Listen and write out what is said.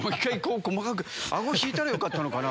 顎引いたらよかったのかな。